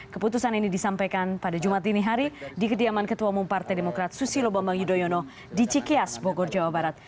keputusan ini disampaikan pada jumat dini hari di kediaman ketua umum partai demokrat susilo bambang yudhoyono di cikias bogor jawa barat